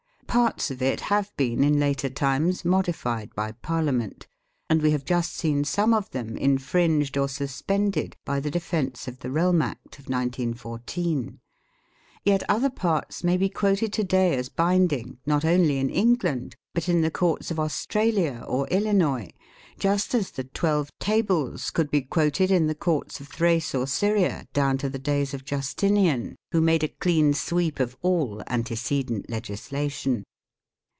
Parts of it have been in later times modified by Parliament ; and we have just seen some of them infringed or suspended by the Defence of the Realm Act of 1914. Yet other parts may be quoted to day as binding not only in England but in the Courts of Australia or Illinois, just as the Twelve Tables could be quoted in the Courts of Thrace or Syria down to the days of Justinian, who made a clean sweep of all antecedent legislation.